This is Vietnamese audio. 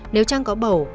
nếu trang có bầu